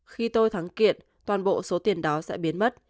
khi tôi thắng kiện toàn bộ số tiền đó sẽ biến mất